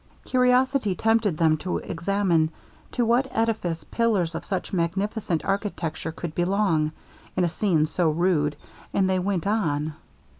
Curiosity tempted them to examine to what edifice pillars of such magnificent architecture could belong, in a scene so rude, and they went on.